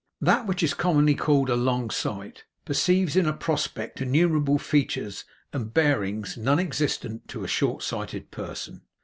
That which is commonly called a long sight, perceives in a prospect innumerable features and bearings non existent to a short sighted person.